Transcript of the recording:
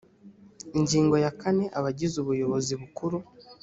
ingingo ya kane abagize ubuyobozi bukuru